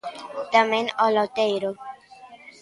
Tamén o loteiro.